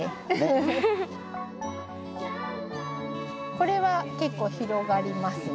これは結構広がりますね。